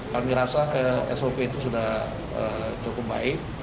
kami rasa sop itu sudah cukup baik